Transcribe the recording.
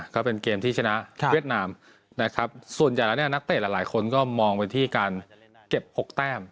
ก็เป็นเกมที่ชนะเวียดนามนะครับส่วนใหญ่แล้วเนี่ยนักเตะหลายคนก็มองไปที่การเก็บ๖แต้ม